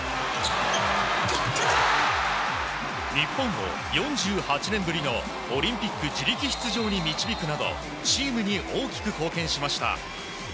日本を４８年ぶりのオリンピック自力出場に導くなどチームに大きく貢献しました。